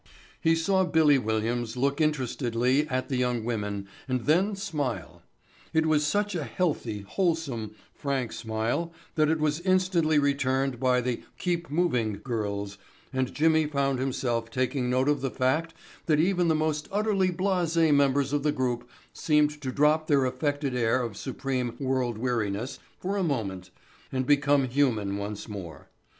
He saw "Billy" Williams look interestedly at the young women and then smile. It was such a healthy, wholesome, frank smile that it was instantly returned by the "Keep Moving" girls and Jimmy found himself taking note of the fact that even the most utterly blase members of the group seemed to drop their affected air of supreme world weariness for a moment and become human once more.